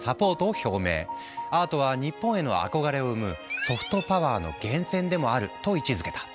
アートは日本への憧れを生む「ソフトパワーの源泉」でもあると位置づけた。